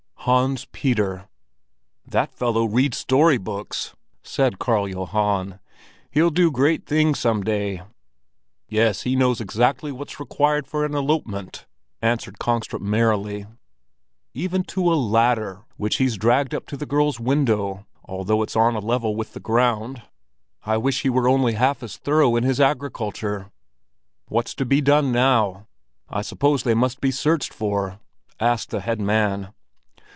"HANS PETER." "That fellow reads story books," said Karl Johan. "He'll do great things some day." "Yes, he knows exactly what's required for an elopement," answered Kongstrup merrily. "Even to a ladder, which he's dragged up to the girl's window, although it's on a level with the ground. I wish he were only half as thorough in his agriculture." "What's to be done now? I suppose they must be searched for?" asked the head man.